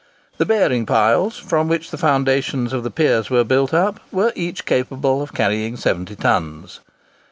The bearing piles, from which the foundations of the piers were built up, were each capable of carrying 70 tons.